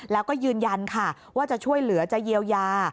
แล้วก็ยืนยันค่ะว่าจะช่วยเหลือจะเยียวยา